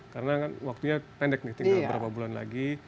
karena kan waktunya pendek nih tinggal beberapa bulan lagi